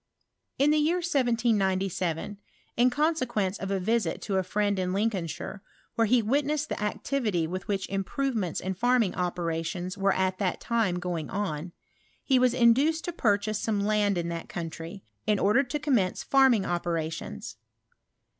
In the year 1797, in eonseqoence of a vbK ;to a friend in Lincolnshire, where he witnessed the ao tivily with which improvements in farming operations were at that time going on, he was induced to pur chase some land in that country, in order to com mence farming operations.